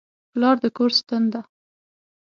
پلار د کور ستن ده.